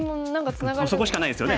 そこしかないですよね